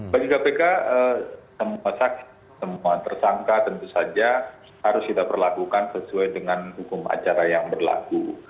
bagi kpk semua saksi semua tersangka tentu saja harus kita perlakukan sesuai dengan hukum acara yang berlaku